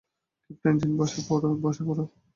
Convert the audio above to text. Captain, Jean, বসে পড়ো, বসে পড়ো।